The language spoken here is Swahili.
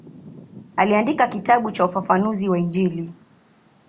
Aliandika kitabu cha ufafanuzi wa Injili.